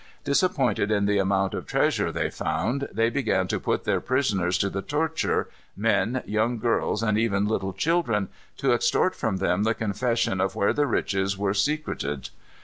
Disappointed in the amount of treasure they found, they began to put their prisoners to the torture, men, young girls, and even little children, to extort from them the confession of where riches were secreted.